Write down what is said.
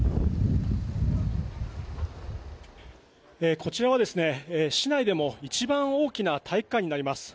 こちらは市内でも一番大きな体育館になります。